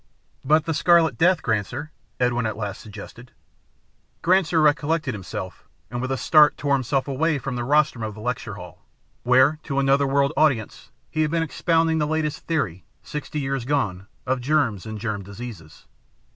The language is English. "But the Scarlet Death, Granser," Edwin at last suggested. Granser recollected himself, and with a start tore himself away from the rostrum of the lecture hall, where, to another world audience, he had been expounding the latest theory, sixty years gone, of germs and germ diseases.